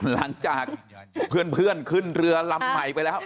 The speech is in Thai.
หลังจากเพื่อนขึ้นเรือลำใหม่ไปแล้ว